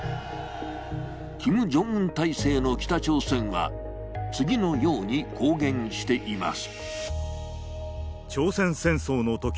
キム・ジョンウン体制の北朝鮮は次のように公言しています。